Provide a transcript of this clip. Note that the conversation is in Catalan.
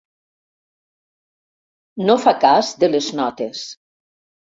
No fa cas de les notes.